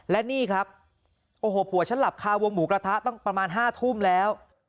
และนี่ครับโอ้โหผัวฉันหลับคาวงหมูกระทะตั้งประมาณ๕ทุ่มแล้ว